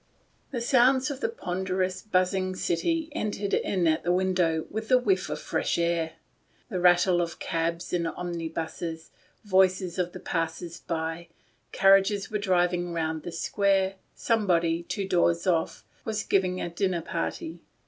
The sounds of the ponderous, buzzing city entered in at the window with the whiff of fresh air ; the rattle of cabs and omnibuses ; voices of the passers by ; carriages were driv ing round the square ; somebody, two doors off, was giving a dinner party.